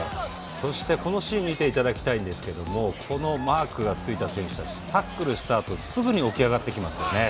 そして、このシーン見ていただきたいんですがマークがついた選手たちタックルしたあとすぐに起き上がってきますよね。